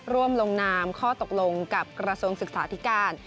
ลงนามข้อตกลงกับกระทรวงศึกษาธิการ